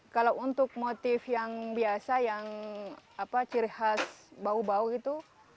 kalau untuk motif yang biasa yang ciri khas bau bau itu